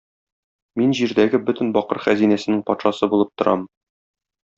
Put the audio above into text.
Мин җирдәге бөтен бакыр хәзинәсенең патшасы булып торам.